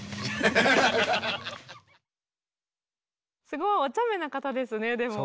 すごいおちゃめな方ですねでも。